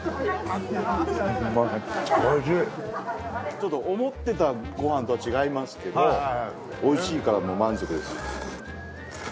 ちょっと思ってたご飯とは違いますけどおいしいからもう満足です。